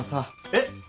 えっ！